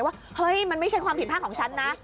ว่าเฮ้ยมันไม่ใช่ความผิดพลาดของฉันนะ